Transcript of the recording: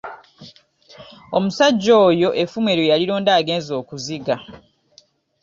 Omusajja oyo effumu eryo yalironda agenze okuziga.